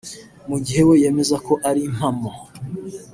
mu gihe we yemeza ko ari impamo